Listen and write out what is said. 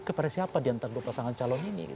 kepada siapa diantara dua pasangan calon ini